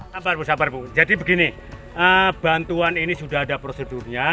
sabar bersabar bu jadi begini bantuan ini sudah ada prosedurnya